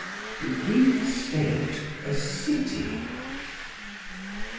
The Greek State a "City."